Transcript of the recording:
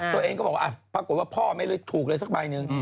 ตัวเองก็บอกว่าปรากฏว่าพ่อไม่ได้ถูกเลยสักใบหนึ่ง